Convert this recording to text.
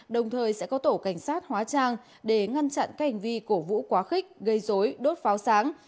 đồng thời sẽ có tổ cảnh sát hóa trang để ngăn chặn các hành vi cổ vũ quá khích gây dối đốt pháo sáng